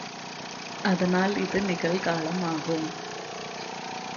அதனால் இது நிகழ்காலமாகும்.